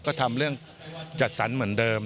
ก็ทำเรื่องจัดสรรเหมือนเดิม